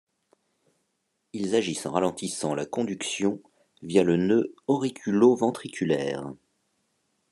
Ils agissent en ralentissant la conduction via le nœud auriculo-ventriculaire.